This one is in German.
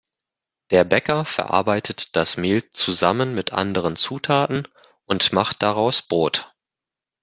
Der Bäcker verarbeitet das Mehl zusammen mit anderen Zutaten und macht daraus Brot.